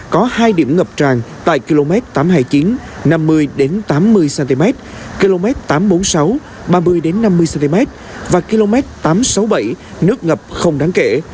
có hai điểm ngập tràn tại km tám trăm hai mươi chín năm mươi tám mươi cm km tám trăm bốn mươi sáu ba mươi năm mươi cm và km tám trăm sáu mươi bảy nước ngập không đáng kể